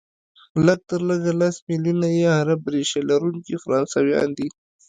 لږ تر لږه لس ملیونه یې عرب ریشه لرونکي فرانسویان دي،